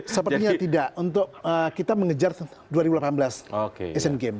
sepertinya tidak untuk kita mengejar dua ribu delapan belas asian games